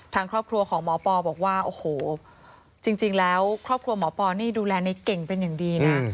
ทางครอบครัวของหมอปอบอกว่าโอ้โหจริงแล้วครอบครัวหมอปอนี่ดูแลในเก่งเป็นอย่างดีนะ